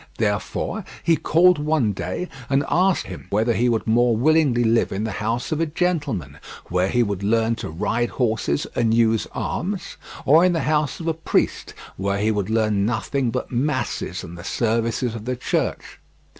Therefore he called him one day and asked him whether he would more willingly live in the house of a gentleman, where he would learn to ride horses and use arms, or in the house of a priest, where he would learn nothing but masses and the services of the Church.